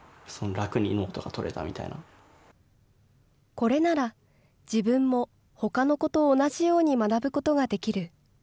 これなら自分もほかの子と同じように学ぶことができる。